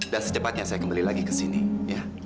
dan secepatnya saya kembali lagi kesini ya